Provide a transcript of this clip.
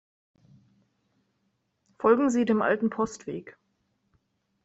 Folgen Sie dem alten Postweg.